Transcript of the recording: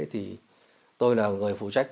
thì tôi là người phụ trách